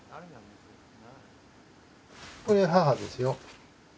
これ母ですよ。